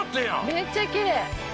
めっちゃきれい。